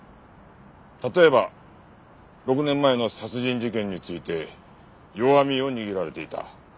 例えば６年前の殺人事件について弱みを握られていた。